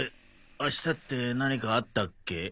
明日って何かあったっけ？